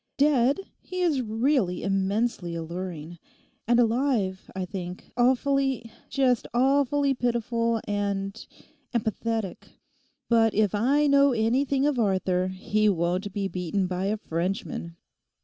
Dead, he is really immensely alluring; and alive, I think, awfully—just awfully pitiful and—and pathetic. But if I know anything of Arthur he won't be beaten by a Frenchman.